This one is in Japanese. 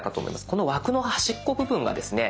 この枠の端っこ部分がですね